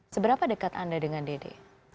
seberapa dekat anda dengan dede